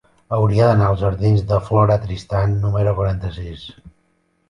Hauria d'anar als jardins de Flora Tristán número quaranta-sis.